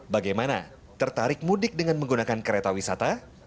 bagaimana tertarik mudik dengan menggunakan kereta wisata